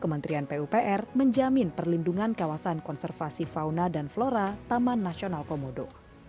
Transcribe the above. kementerian pupr menjamin perlindungan kawasan konservasi fauna dan flora taman nasional komodo